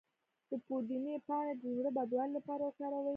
د پودینې پاڼې د زړه بدوالي لپاره وکاروئ